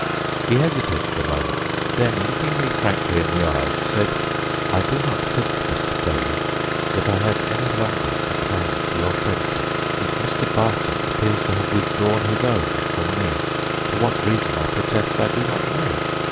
He hesitated a moment; then, looking me frankly in the eyes, said: "'I do not think, Mr. Foley, that I have any longer a claim to your friendship, since Mr. Barting appears to have withdrawn his own from me—for what reason, I protest I do not know.